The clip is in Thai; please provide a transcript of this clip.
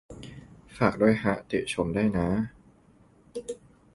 ฝากด้วยฮะ ติชมได้น้า